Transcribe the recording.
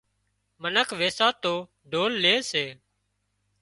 منک ويساتو ڍول لي سي